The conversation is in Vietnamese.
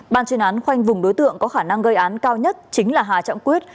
ban chuyên án khoanh vùng đối tượng có khả năng gây án cao nhất chính là hà trọng quyết